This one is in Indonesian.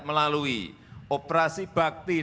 melalui operasi bakti dan penyelenggaraan